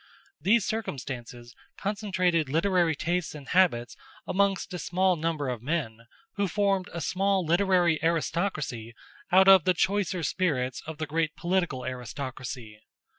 These circumstances concentrated literary tastes and habits amongst a small number of men, who formed a small literary aristocracy out of the choicer spirits of the great political aristocracy.